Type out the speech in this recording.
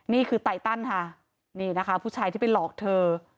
นี่คือไตตันค่ะนี่นะคะผู้ชายที่ไปหลอกเธอ